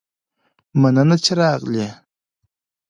مننه چې راغلي